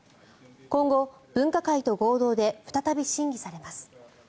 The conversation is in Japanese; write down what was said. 今後、分科会と合同で再び審議されます。